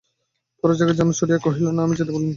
গোরা নিজের জানু চাপড়াইয়া কহিল, না, আমি যেতে বলি নে।